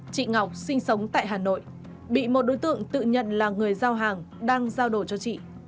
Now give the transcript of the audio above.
chị ngọc sinh sống tại hà nội bị một đối tượng tự nhận là người giao hàng đang giao đồ cho chị